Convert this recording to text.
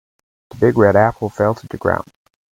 The big red apple fell to the ground.